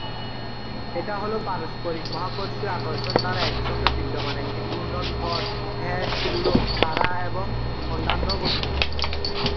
এটা হল পারস্পরিক মহাকর্ষীয় আকর্ষণ দ্বারা একসঙ্গে বিদ্যমান একটি ঘূর্ণন ভর, গ্যাস, ধুলো, তারা এবং অন্যান্য বস্তু।